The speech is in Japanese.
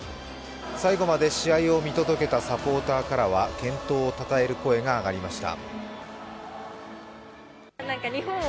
最後まで試合を見届けたサポーターからは健闘をたたえる声が上がりました。